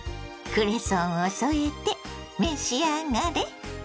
クレソンを添えて召し上がれ。